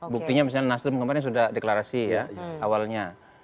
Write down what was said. buktinya misalnya nasdem kemarin sudah deklarasi ya awalnya